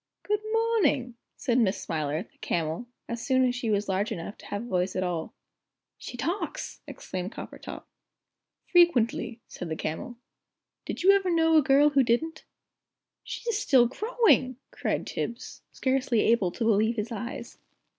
"Good morning!" said Miss Smiler, the camel, as soon as she was large enough to have a voice at all. "She talks!" exclaimed Coppertop. "Frequently," said the Camel; "did you ever know a girl who didn't?" "She's still growing!" cried Tibbs, scarcely able to believe his eyes.